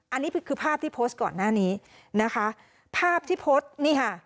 อันนี้คือภาพที่โพสต์ก่อนหน้านี้นะคะภาพที่โพสต์นี่ค่ะ